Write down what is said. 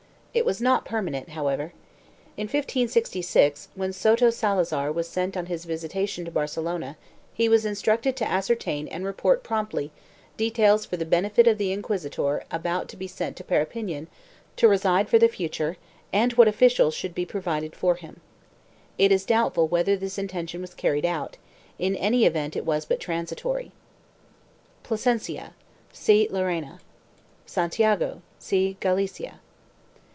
It was not permanent however. In 1566, when de Soto Salazar was sent on his visitation to Barcelona he was instructed to ascertain and report promptly details for the benefit of the inquisitor about to be sent to Perpignan to reside for the future and what officials should be pro vided for him. It is doubtful whether this intention was carried out; in any event it was but transitory.1 PLASENCIA. See LLERENA. SANTIAGO. See GALICIA.